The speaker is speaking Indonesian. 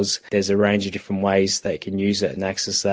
ada banyak cara yang berbeda mereka bisa menggunakannya dan mengaksesnya